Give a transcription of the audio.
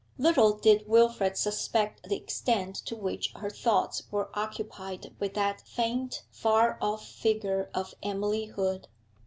Little did Wilfrid suspect the extent to which her thoughts were occupied with that faint, far off figure of Emily Hood.